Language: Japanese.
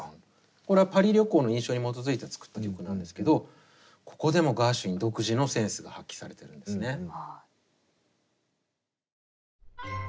これはパリ旅行の印象に基づいて作った曲なんですけどここでもガーシュウィン独自のセンスが発揮されてるんですね。